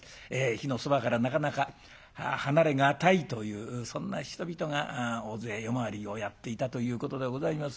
火のそばからなかなか離れがたいというそんな人々が大勢夜回りをやっていたということでございますが。